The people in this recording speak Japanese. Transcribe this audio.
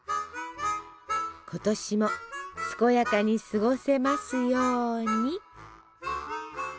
今年も健やかに過ごせますように。